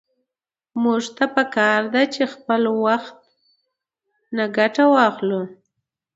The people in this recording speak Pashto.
موږ ته په کار ده چې له خپل وخت نه ګټه واخلو.